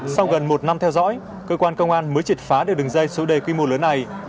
sau gần một năm theo dõi cơ quan công an mới triệt phá được đường dây số đề quy mô lớn này